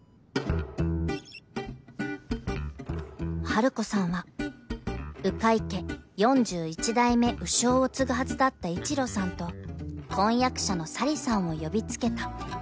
［ハルコさんは鵜飼家４１代目鵜匠を継ぐはずだった一路さんと婚約者の咲里さんを呼びつけた］